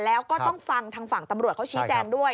แล้วก็ต้องฟังทางฝั่งตำรวจเขาชี้แจงด้วย